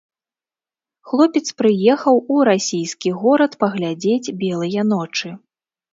Хлопец прыехаў у расійскі горад паглядзець белыя ночы.